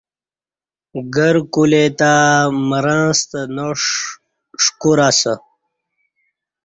گرکولے تہ مرں ستہ ناݜ ݜکور ہ اسہ